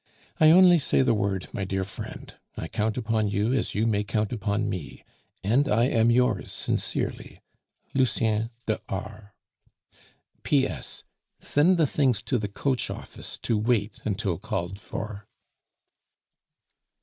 I only say the word, my dear friend; I count upon you as you may count upon me, and I am yours sincerely. "LUCIEN DE R. "P. S. Send the things to the coach office to wait until called for."